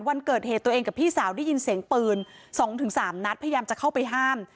วันเกิดเหตุตัวเองกับพี่สาวได้ยินเสียงปืน๒๓นัดพยายามจะเข้าไปห้าม